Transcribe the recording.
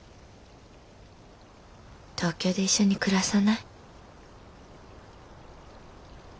東京で一緒に暮らさない？